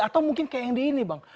atau mungkin kayak yang di ini bang